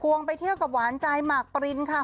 วงไปเที่ยวกับหวานใจหมากปรินค่ะ